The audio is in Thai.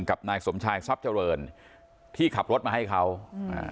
กับนายสมชายทรัพย์เจริญที่ขับรถมาให้เขาอืมอ่า